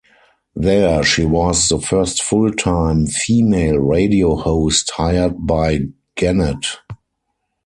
There she was the first full-time female radio host hired by Gannett.